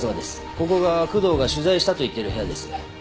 ここが工藤が取材したと言ってる部屋です。